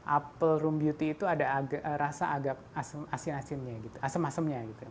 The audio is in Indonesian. apple room beauty itu ada rasa agak asem asemnya